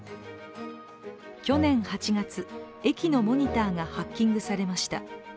去年８月、駅のモニターがハッキングされました。